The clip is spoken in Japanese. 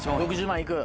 ６０万行く？